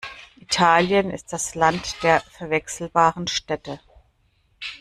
Italien ist das Land der verwechselbaren Städte.